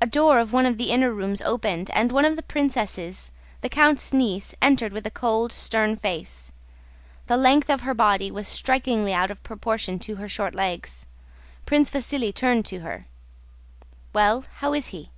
A door of one of the inner rooms opened and one of the princesses, the count's niece, entered with a cold, stern face. The length of her body was strikingly out of proportion to her short legs. Prince Vasíli turned to her. "Well, how is he?"